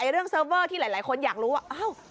เรื่องเซิร์ฟเวอร์ที่หลายคนอยากรู้ว่าอ้าว